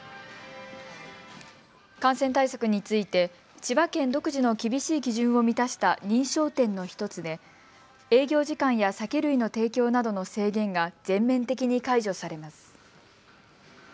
感染対策について千葉県独自の厳しい基準を満たした認証店の１つで営業時間や酒類の提供などの制限が全面的に解除されます。